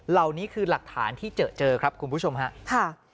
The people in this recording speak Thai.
เหล่านี้คือหลักฐานที่เจอเจอครับคุณผู้ชมครับ